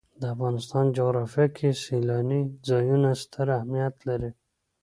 د افغانستان جغرافیه کې سیلاني ځایونه ستر اهمیت لري.